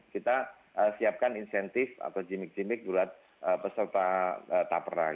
kita siapkan insentif atau jimik jimik buat peserta tapra